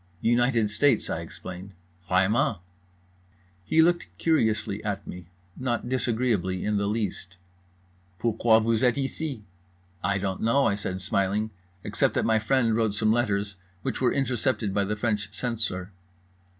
"United States" I explained. "Vraiment"—he looked curiously at me, not disagreeably in the least. "Pourquoi vous êtes ici?" "I don't know" I said smiling pleasantly, "except that my friend wrote some letters which were intercepted by the French censor."